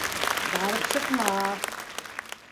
Барып сыҡмаҫ!